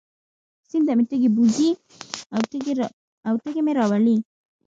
سیند ته مې تږی بوځي او تږی مې راولي.